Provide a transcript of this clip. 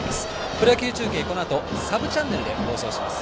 プロ野球中継、このあとサブチャンネルで放送します。